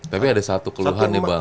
tapi ada satu keluhan nih bang